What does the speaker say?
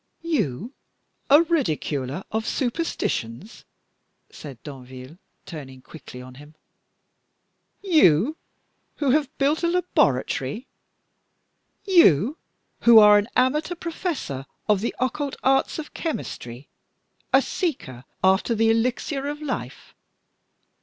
"You a ridiculer of superstitions?" said Danville, turning quickly on him. "You, who have built a laboratory; you, who are an amateur professor of the occult arts of chemistry a seeker after the Elixir of Life.